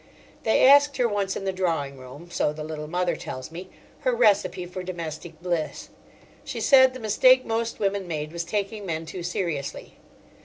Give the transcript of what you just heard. They asked her once in the drawing room—so the Little Mother tells me—her recipe for domestic bliss. She said the mistake most women made was taking men too seriously.